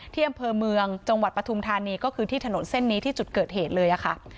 ที่อำเภอเมืองจังหวัดปฐุมธานีก็คือที่ถนนเส้นนี้ที่จุดเกิดเหตุเลยค่ะ